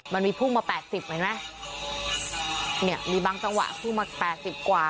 มันมีพุ่งมาแปดสิบเห็นไหมเนี่ยมีบางจังหวะพุ่งมาแปดสิบกว่า